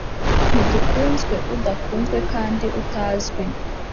ntidukunzwe, udakunzwe kandi utazwi.